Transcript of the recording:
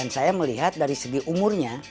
saya melihat dari segi umurnya